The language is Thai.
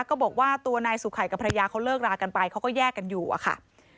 ก็บอกว่าตัวนายสุขัยกับภรรยาเขาเลิกรากันไปเขาก็แยกกันอยู่อะค่ะ